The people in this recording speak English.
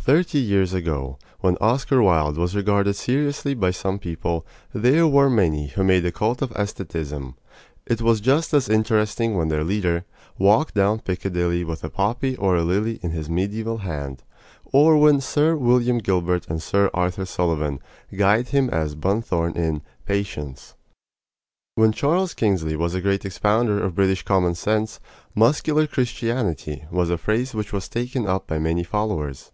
Thirty years ago, when Oscar Wilde was regarded seriously by some people, there were many who made a cult of estheticism. It was just as interesting when their leader Walked down Piccadilly with a poppy or a lily In his medieval hand, or when Sir William Gilbert and Sir Arthur Sullivan guyed him as Bunthorne in "Patience." When Charles Kingsley was a great expounder of British common sense, "muscular Christianity" was a phrase which was taken up by many followers.